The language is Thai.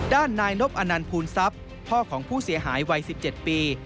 ด้านนายนพอพูลซับพ่อของผู้เสียหายวัย๑๗ปี